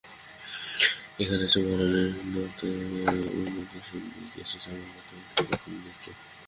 এখানে এসে মহারানীর মতো উপদেশ দিতে এসেছ আমার মতো এক ফকিন্নিকে।